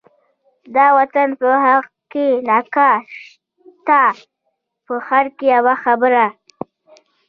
د وطن په حق کی نه کا، تش دخیر یوه خبره